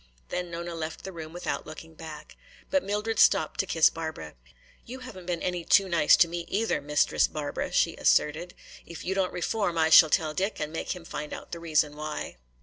Then Nona left the room without looking back. But Mildred stopped to kiss Barbara. "You haven't been any too nice to me either, Mistress Barbara," she asserted. "If you don't reform I shall tell Dick and make him find out the reason why."